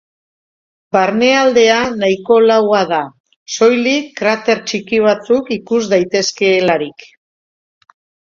Barnealdea nahiko laua da, soilik krater txiki batzuk ikus daitezkeelarik.